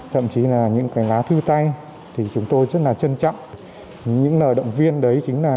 thậm chí là những cái lá thư tay thì chúng tôi rất là trân trọng những lời động viên đấy chính là